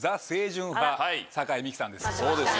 酒井美紀さんです。